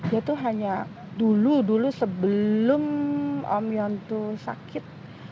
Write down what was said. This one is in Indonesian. itu hanya dulu dulu sebelum om yon itu sakit